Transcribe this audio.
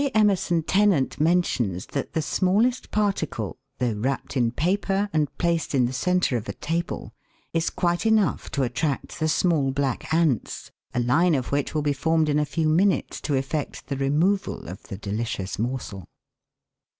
Emerson Tennent mentions that the smallest particle, though wrapped in paper and placed in the centre of a table, is quite enough to attract the small black ants, a line of which will be formed in a few minutes to effect the re moval of the delicious morsel.